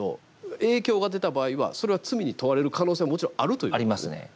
影響が出た場合はそれは罪に問われる可能性はもちろんあるということですね。